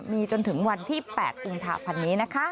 มีจนถึงวันที่๘กุมภาพันธ์นี้นะคะ